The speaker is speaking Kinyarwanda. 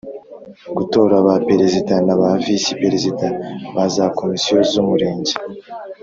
Gutora ba Perezida na ba Visi Perezida ba za Komisiyo z Umurenge